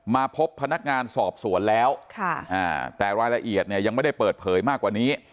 มาพบพนักงานสอบสวนแล้วแต่รายละเอียดเนี่ยยังไม่ได้เปิดเผยมากกว่านี้